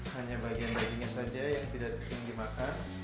hanya bagian dagingnya saja yang tidak ingin dimakan